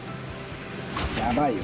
やばいよ。